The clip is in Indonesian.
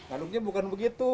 aduknya bukan begitu